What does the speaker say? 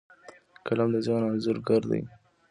قلم د ذهن انځورګر دی